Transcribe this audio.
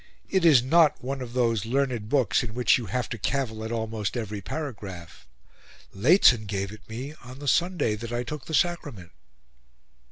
It is not one of those learned books in which you have to cavil at almost every paragraph. Lehzen gave it me on the Sunday that I took the Sacrament."